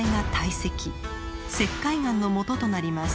石灰岩のもととなります。